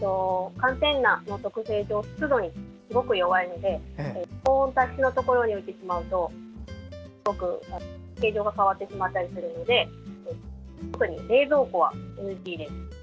寒天の特性上湿度にすごく弱いので高温多湿のところに置いてしまうと形状が変わってしまったりするので特に冷蔵庫はＮＧです。